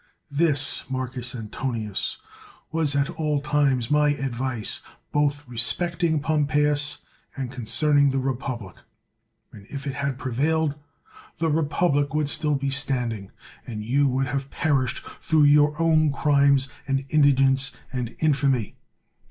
This, Marcus Antonius, was at all times my advice both respecting Pompeius and concerning the republic. Ajid if it had prevailed, the republic would still be standing, and you would have perished through your own crimes, and indigence, and infamy.